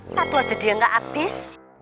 satu aja dia gak abis